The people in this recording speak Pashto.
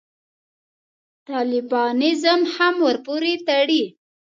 طالبانیزم هم ورپورې تړي.